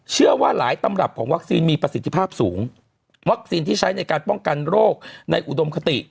เชื่อว่าหลายตำรับของวัคซีนมีประสิทธิภาพสูงวัคซีนที่ใช้ในการป้องกันโรคในอุดมคติ